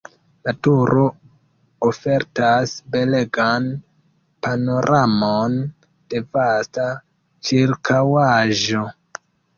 La turo ofertas belegan panoramon de vasta ĉirkaŭaĵo.